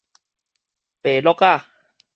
白橐仔